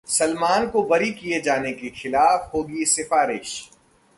सलमान को बरी किए जाने के खिलाफ होगी सिफारिश